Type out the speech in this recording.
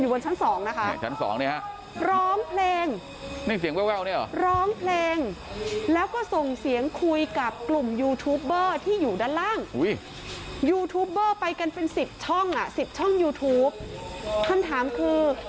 อยู่บนชั้น๒นะฮะวันกองนี้ฮะร้องเพลงให้เ